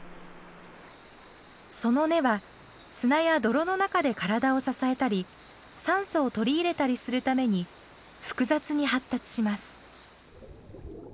その根は砂や泥の中で体を支えたり酸素を取り入れたりするために複雑に発達します。